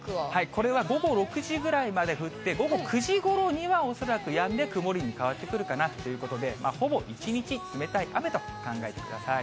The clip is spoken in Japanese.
これは午後６時ぐらいまで降って、午後９時ごろには恐らくやんで、曇りに変わってくるかなということで、ほぼ一日、冷たい雨と考えてください。